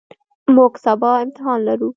موږ سبا امتحان لرو.